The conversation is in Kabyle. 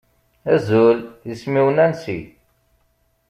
Azul, isem-iw Nancy.